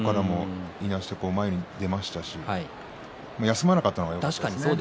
いなして前に出ましたし休まなかったのがよかったです。